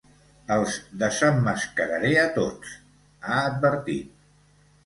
“Els desemmascararé a tots”, ha advertit.